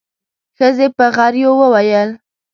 ښځې په غريو کې وويل.